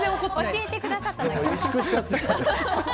教えてくださっただけ。